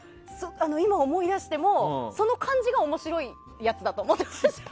今思い出してもその感じが面白いやつだと思ってました。